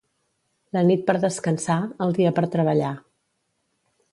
La nit per descansar, el dia per treballar.